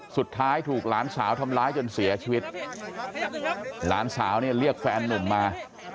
สุดท้ายถูกหลานสาวทำร้ายจนเสียชีวิตหลานสาวเนี่ยเรียกแฟนนุ่มมา